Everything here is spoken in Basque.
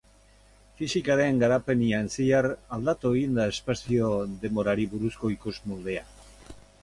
Fisikaren garapenean zehar, aldatu egin da espazio-denborari buruzko ikusmoldea.